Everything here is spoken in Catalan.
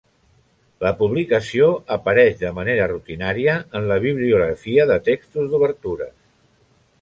La publicació apareix de manera rutinària en la bibliografia de textos d'obertures.